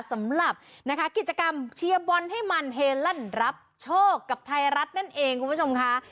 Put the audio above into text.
สำหรับนะคะกิจกรรมเชียร์บอลให้มันเฮลั่นรับโชคกับไทยรัฐนั่นเองคุณผู้ชมค่ะ